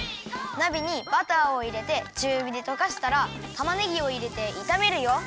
なべにバターをいれてちゅうびでとかしたらたまねぎをいれていためるよ。